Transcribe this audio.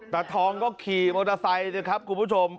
ตาทองก็ขี่มอเตอร์ไซค์นะครับคุณผู้ชม